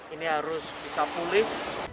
ini harus bisa pulih